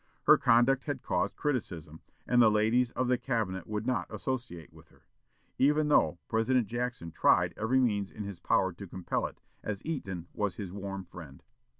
Her conduct had caused criticism, and the ladies of the Cabinet would not associate with her even though President Jackson tried every means in his power to compel it, as Eaton was his warm friend.